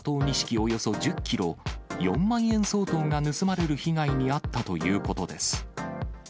およそ１０キロ、４万円相当が盗まれる被害に遭ったということです。